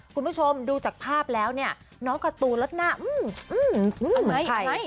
คุณผู้ชมดูจากภาพแล้วเนี่ยน้องการ์ตูนแล้วหน้าอืม